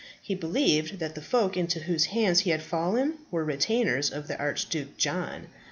He believed that the folk into whose hands he had fallen were retainers of the Archduke John.